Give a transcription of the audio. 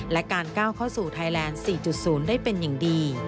และการก้าวเข้าสู่ไทยแลนด์๔๐ได้เป็นอย่างดี